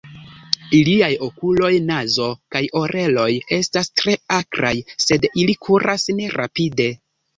Iliaj okuloj, nazo kaj oreloj estas tre akraj, sed ili kuras ne rapide.